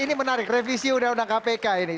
ini menarik revisi undang undang kpk ini